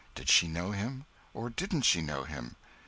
Did she know him or didn't she know him?